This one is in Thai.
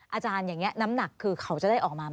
อาจารย์อย่างนี้น้ำหนักคือเขาจะได้ออกมาไหม